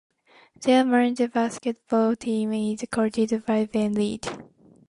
Their men's basketball team is coached by Ben Reed.